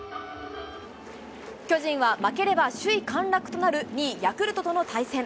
巨人は負ければ首位陥落となる２位ヤクルトとの対戦。